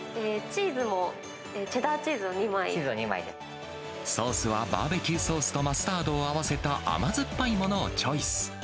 チーズも、ソースはバーベキューソースとマスタードを合わせた、甘酸っぱいものをチョイス。